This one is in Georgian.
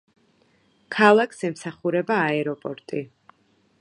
ქალაქს ემსახურება აეროპორტი.